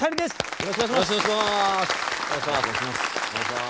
よろしくお願いします。